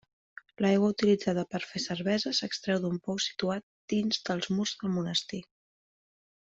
L'aigua utilitzada per fer cervesa s'extreu d'un pou situat dins dels murs del monestir.